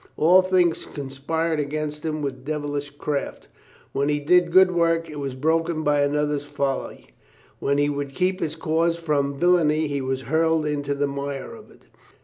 i^U things conspired against him with devilish craft. When he did good work, it was broken by another's folly. When he would keep his cause from villainy he was hurled into the mire of it.